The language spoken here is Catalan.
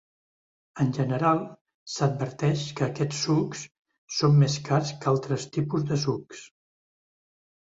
En general, s'adverteix que aquests sucs són més cars que altres tipus de sucs.